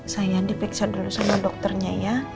saya diperiksa dulu sama dokternya ya